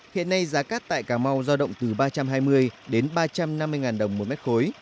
hiện nay giá cát tại cà mau giao động từ ba trăm hai mươi đến ba trăm năm mươi ngàn đồng một mét khối